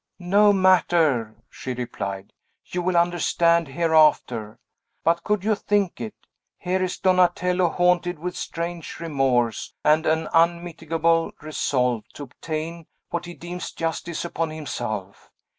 "No matter," she replied; "you will understand hereafter. But could you think it? Here is Donatello haunted with strange remorse, and an unmitigable resolve to obtain what he deems justice upon himself.